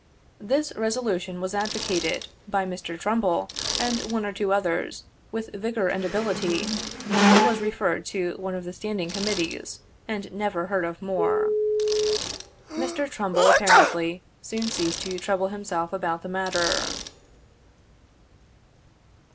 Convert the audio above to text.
This resolution was advocated, by Mr. Trumbull and one or two others, with vigor and ability, but was referred to one of the Standing Committees, and never heard of more. Mr. Trumbull, apparently, soon ceased to trouble himself about the matter.